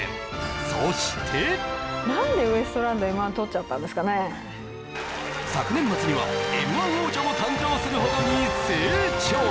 そして昨年末にはＭ−１王者も誕生するほどに成長！